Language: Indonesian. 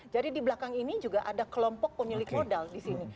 jadi di belakang ini juga ada kelompok pemilik modal di sini